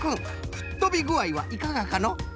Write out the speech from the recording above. ふっとびぐあいはいかがかの？